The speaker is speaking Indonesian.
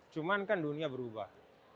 cuman kan dunia berubah